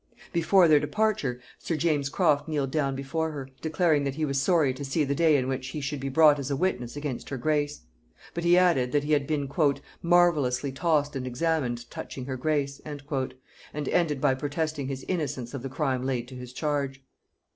Before their departure sir James Croft kneeled down before her, declaring that he was sorry to see the day in which he should be brought as a witness against her grace. But he added, that he had been "marvellously tossed and examined touching her grace;" and ended by protesting his innocence of the crime laid to his charge.